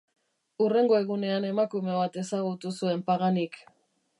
Hurrengo egunean emakume bat ezagutu zuen Paganik.